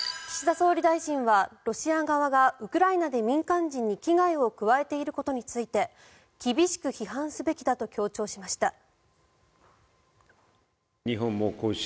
岸田総理大臣はロシア側がウクライナで民間人に危害を加えていることについて厳しく批判すべきだと強調しました。